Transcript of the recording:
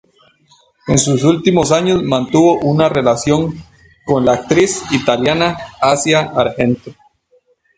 En sus últimos años mantuvo una relación con la actriz italiana Asia Argento.